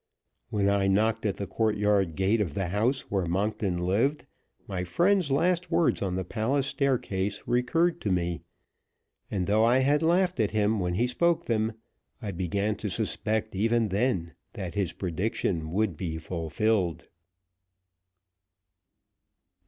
When I knocked at the courtyard gate of the house where Monkton lived, my friend's last words on the palace staircase recurred to me, and, though I had laughed at him when he spoke them, I began to suspect even then that his prediction would be fulfilled.